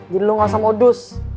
jadi lo gak usah modus